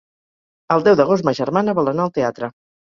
El deu d'agost ma germana vol anar al teatre.